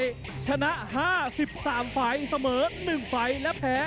มาดูแล้วชงในมุมน้ำเงินกันเลยดีกว่านะครับคนนี้มาจากอำเภออูทองจังหวัดสุภัณฑ์บุรีนะครับ